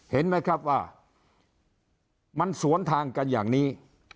เห็นไหมครับว่ามันสวนทางกันอย่างนี้